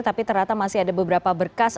tapi ternyata masih ada beberapa berkas